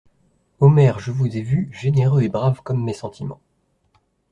Omer, je vous ai vu, généreux et brave comme mes sentiments.